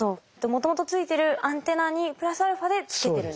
もともとついてるアンテナにプラスアルファでつけてるんですね。